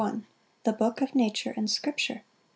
The book of nature and scripture.